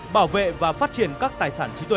bảo vệ và phát triển các tài sản trí tuệ